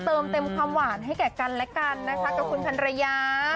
เติมเต็มความหวานให้แก่กันและกันนะคะกับคุณพันรยา